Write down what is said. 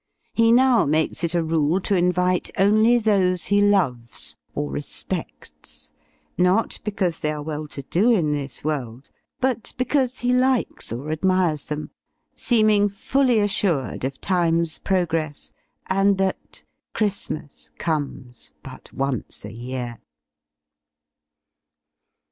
He now makes it a rule to invite only those he loves or respects not because they are well to do in this world, but because he likes or admires them; seeming fully assured of Time's progress, and that CHRISTMAS COMES BUT ONCE A YEAR!